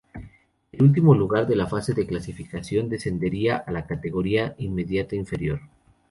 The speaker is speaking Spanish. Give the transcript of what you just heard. El último lugar de la fase de clasificación descendería a la categoría inmediata inferior.